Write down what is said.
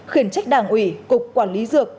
khuyển trách đảng ủy cục quản lý dược